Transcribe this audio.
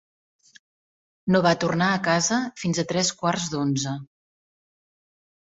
No va tornar a casa fins a tres quarts d'onze.